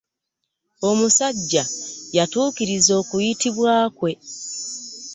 Omusajja yatuukiriza okuyitibwa kwe.